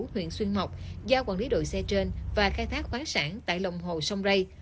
huyện xuyên mộc giao quản lý đội xe trên và khai thác khoáng sản tại lòng hồ sông rây